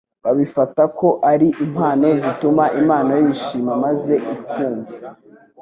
Babifata ko ari impano zituma Imana yishima maze ikumva.